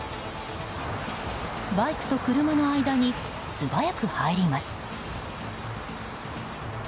バイクと車の間に素早く入ります。